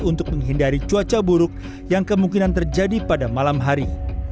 untuk menghindari cuaca buruk yang kemungkinan terjadi pada malam hari